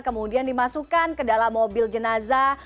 kemudian dimasukkan ke dalam mobil jenazah